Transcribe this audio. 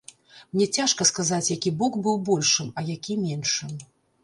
Мне цяжка сказаць, які бок быў большым, а які меншым.